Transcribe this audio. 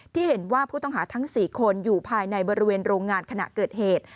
ที่เห็นว่าผู้ต้องหาทั้ง๔คนอยู่ภายในบริเวณโรงงานขณะเกิดเหตุ